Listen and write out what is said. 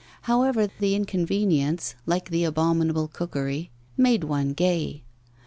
However, the inconvenience, like the abominable cookery, made one gay.